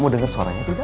mau denger suaranya tidak